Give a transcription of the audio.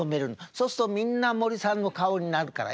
そうするとみんな森さんの顔になるから。